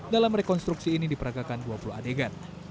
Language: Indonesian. dalam rekonstruksi ini diperagakan dua puluh adegan